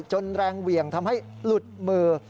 แรงเหวี่ยงทำให้หลุดมือ